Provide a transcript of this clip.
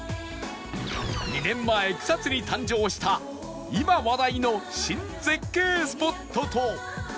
２年前草津に誕生した今話題の新絶景スポットと